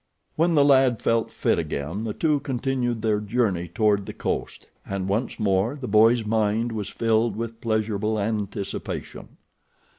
When the lad felt fit again the two continued their journey toward the coast, and once more the boy's mind was filled with pleasurable anticipation.